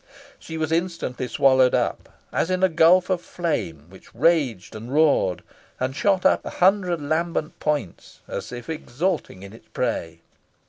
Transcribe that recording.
She was instantly swallowed up as in a gulf of flame, which raged, and roared, and shot up in a hundred lambent points, as if exulting in its prey.